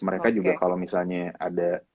mereka juga kalau misalnya ada